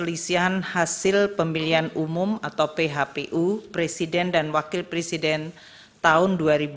kepolisian hasil pemilihan umum atau phpu presiden dan wakil presiden tahun dua ribu dua puluh